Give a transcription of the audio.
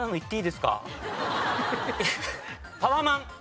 タワマン。